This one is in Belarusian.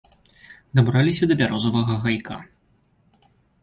Дабраліся да бярозавага гайка.